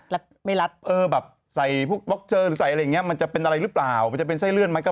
ก็เป็นเด็กผู้ชายมันก็ต้องศึกษาเป็นไส้เลื่อนยังไง